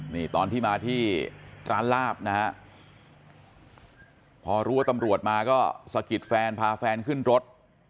นี่ตอนที่มาที่ร้านลาบนะฮะพอรู้ว่าตำรวจมาก็สะกิดแฟนพาแฟนขึ้นรถ